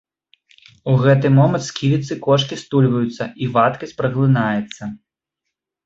У гэты момант сківіцы кошкі стульваюцца, і вадкасць праглынаецца.